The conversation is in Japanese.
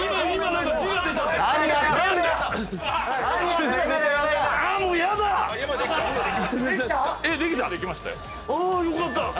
あ！あよかった。